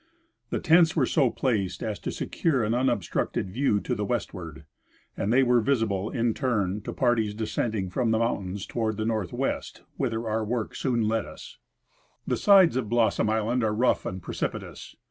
The tents were so jilaced as to secure an un obstructed view to the westward; and they were visible, in turn, to parties descending from the mountains toward the northwest, whither our work soon led us. 114 I. C. Russell — Expedition to Mount St. Ellas. The sides of Blossom island are rough and precipitous.